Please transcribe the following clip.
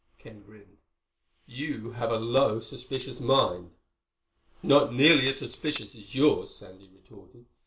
Ken grinned. "You have a low suspicious mind." "It's not nearly as suspicious as yours," Sandy retorted.